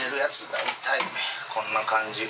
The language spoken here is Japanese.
大体、こんな感じ。